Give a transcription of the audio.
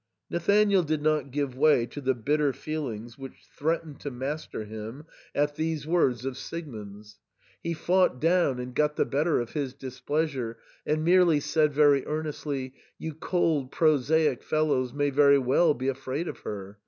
Nathanael did not give way to the bitter feelings which threatened to master him at these words 2o6 THE SAND'MAN. of Siegmund's ; he fought down and got the better of his displeasure, and merely said, very earnestly, " You cold prosaic fellows may very well be afraid of her.